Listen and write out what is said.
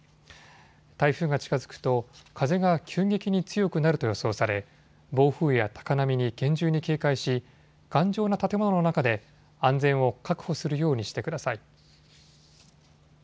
台風が近づくと風が急激に強くなると予想され暴風や高波に厳重に警戒し頑丈な建物の中で安全を確保するようにしてください。